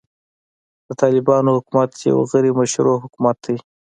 د طالبانو حکومت يو غيري مشروع حکومت دی.